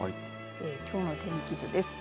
きょうの天気図です。